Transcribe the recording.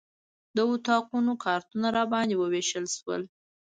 د اتاقونو کارتونه راباندې وویشل شول.